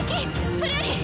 それより。